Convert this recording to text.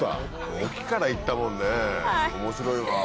土器から行ったもんねぇ面白いわ。